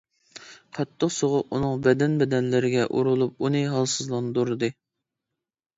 قاتتىق سوغۇق ئۇنىڭ بەدەن-بەدەنلىرىگە ئۇرۇلۇپ ئۇنى ھالسىزلاندۇردى.